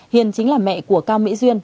hiền chính là mẹ của cao mỹ duyên